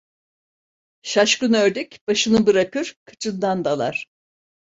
Şaşkın ördek başını bırakır, kıçından dalar.